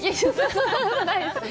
そんなことないです。